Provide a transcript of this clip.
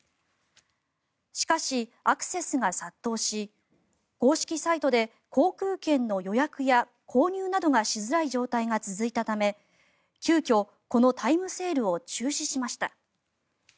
しかし、アクセスが殺到し公式サイトで航空券の予約や購入などがしづらい状態が続いたため急きょ、このタイムセールを中止しました。